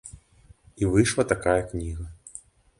І выйшла такая кніга.